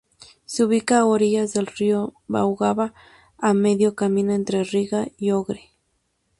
Se ubica a orillas del río Daugava a medio camino entre Riga y Ogre.